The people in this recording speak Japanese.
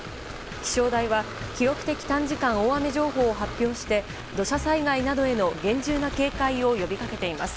気象台は記録的短時間大雨情報を発表して土砂災害などへの厳重な警戒を呼び掛けています。